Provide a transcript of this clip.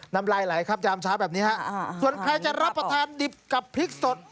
น้ำลายไหลครับยามเช้าแบบนี้ฮะส่วนใครจะรับประทานดิบกับพริกสด